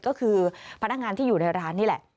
ก็คือพนักงานที่อยู่ในร้านนี่แหละ